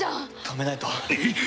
止めないと！